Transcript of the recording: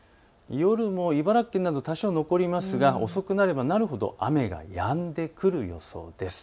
夜も茨城県など多少残りますが遅くなればなるほど雨はやんでくる予想です。